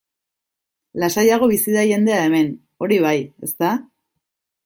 Lasaiago bizi da jendea hemen, hori bai, ezta?